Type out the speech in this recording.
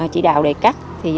chỉ đạo để cắt